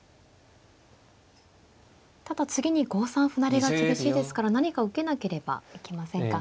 ただ次に５三歩成が厳しいですから何か受けなければいけませんか。